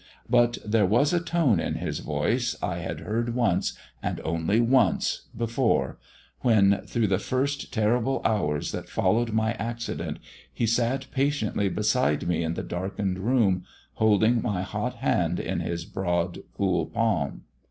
But there was a tone in his voice I had heard once and only once before, when, through the first terrible hours that followed my accident, he sat patiently beside me in the darkened room, holding my hot hand in his broad cool palm.